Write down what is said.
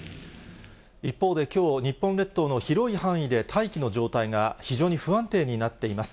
一方できょう、日本列島の広い範囲で大気の状態が非常に不安定になっています。